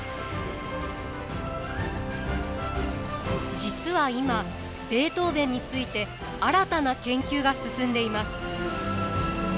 実は今ベートーヴェンについて新たな研究が進んでいます。